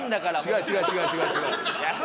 違う違う違う違う違う。